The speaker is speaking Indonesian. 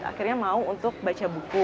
akhirnya mau untuk baca buku